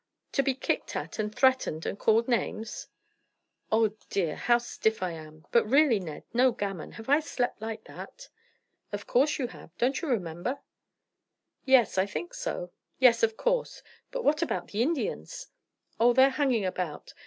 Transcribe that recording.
"To be kicked at and threatened and called names?" "Oh dear, how stiff I am! But really, Ned no gammon have I slept like that?" "Of course you have. Don't you remember?" "Yes, I think so. Yes, of course. But what about the Indians?" "Oh, they're hanging about.